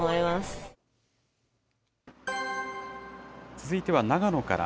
続いては長野から。